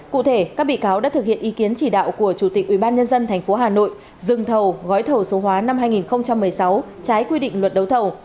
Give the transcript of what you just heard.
cụ thể các bị cáo đã thực hiện ý kiến chỉ đạo của chủ tịch ubnd tp hà nội dừng thầu gói thầu số hóa năm hai nghìn một mươi sáu trái quy định luật đấu thầu